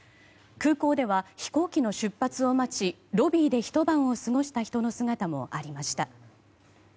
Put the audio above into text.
空港では飛行機の出発を待ちロビーでひと晩を過ごした人の姿もありました。